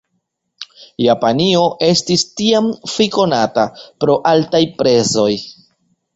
Japanio estis tiam fikonata pro altaj prezoj.